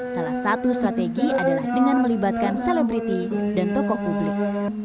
salah satu strategi adalah dengan melibatkan selebriti dan tokoh publik